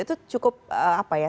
itu cukup apa ya